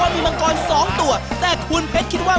มีมังกรสองตัวแต่คุณเพชรคิดว่า